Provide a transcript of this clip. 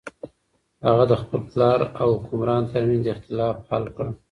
هغه د خپل پلار او حکمران تر منځ اختلاف حل کړ.